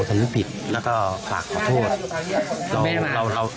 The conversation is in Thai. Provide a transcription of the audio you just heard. ชีวิตเลยค่ะพี่ลูกหนูมีชีวิตนะคะ